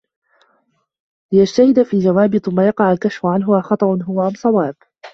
لِيَجْتَهِدَ فِي الْجَوَابِ ثُمَّ يَقَعَ الْكَشْفُ عَنْهُ أَخَطَأٌ هُوَ أَمْ صَوَابٌ